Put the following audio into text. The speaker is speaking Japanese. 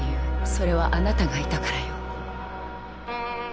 それはあなたがいたからよ。